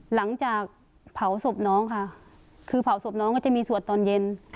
หลังจากเผาศพน้องค่ะคือเผาศพน้องก็จะมีสวดตอนเย็น